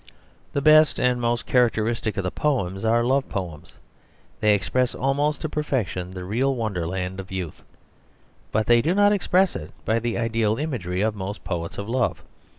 The best and most characteristic of the poems are love poems; they express almost to perfection the real wonderland of youth, but they do not express it by the ideal imagery of most poets of love.